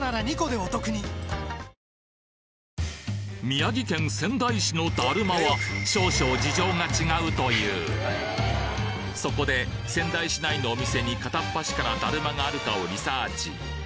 宮城県仙台市のだるまは少々事情が違うというそこで仙台市内のお店に片っ端からだるまがあるかをリサーチ！